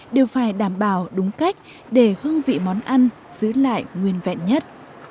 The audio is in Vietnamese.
đều phải đảm bảo đúng cách để hương vị món ăn giữ lại nguyên vẹn nhất